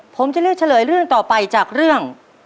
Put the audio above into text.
ผมจะเลือกเฉลยเรื่องต่อไปจากเรื่อง